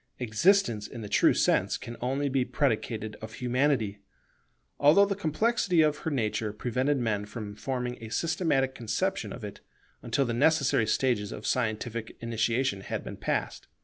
Existence in the true sense can only be predicated of Humanity; although the complexity of her nature prevented men from forming a systematic conception of it, until the necessary stages of scientific initiation had been passed.